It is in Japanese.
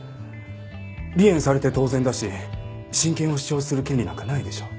離縁されて当然だし親権を主張する権利なんかないでしょう。